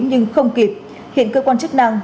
nhưng không kịp hiện cơ quan chức năng